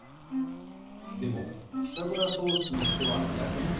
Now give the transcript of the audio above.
でもピタゴラ装置にしてはやけにスカスカ。